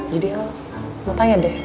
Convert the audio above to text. jadi el mau tanya deh